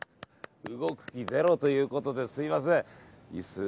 動く気ゼロということですみません。